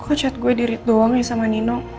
kok chat gue di rit doang ya sama nino